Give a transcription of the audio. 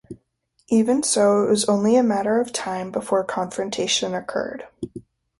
Even so, it was only a matter of time before confrontation occurred.